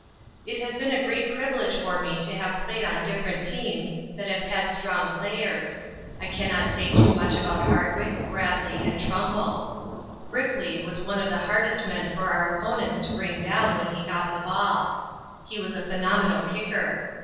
"It has been a great privilege for me to have played on different teams that have had strong players. I cannot say too much about Hardwick, Bradlee, and Trumbull. Brickley was one of the hardest men for our opponents to bring down when he got the ball. He was a phenomenal kicker.